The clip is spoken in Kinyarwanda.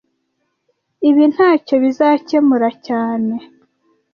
Ibi ntacyo bizakemura cyane